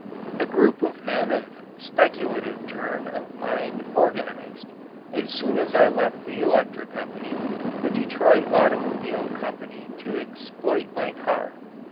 A group of men of speculative turn of mind organized, as soon as I left the electric company, the Detroit Automobile Company to exploit my car.